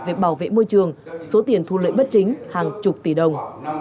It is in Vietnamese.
về bảo vệ môi trường số tiền thu lợi bất chính hàng chục tỷ đồng